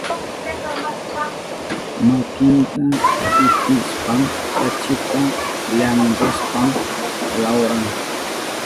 Makinta pitishpan kachita llankashpan lawran.